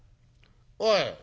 「おい。